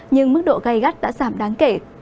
nhưng mức độ gây gắt đã giảm đáng kể